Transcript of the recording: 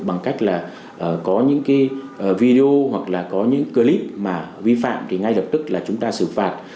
bằng cách là có những cái video hoặc là có những clip mà vi phạm thì ngay lập tức là chúng ta xử phạt